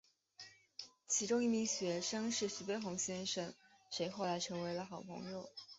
其中一名学生是徐悲鸿先生谁后来成了好朋友。